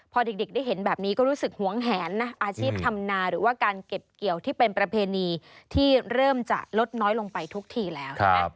พอเด็กได้เห็นแบบนี้ก็รู้สึกหวงแหนนะอาชีพธรรมนาหรือว่าการเก็บเกี่ยวที่เป็นประเพณีที่เริ่มจะลดน้อยลงไปทุกทีแล้วใช่ไหม